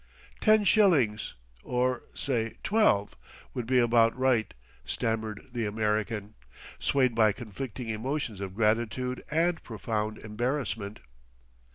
"Ten shillings or say twelve, would be about right," stammered the American, swayed by conflicting emotions of gratitude and profound embarrassment.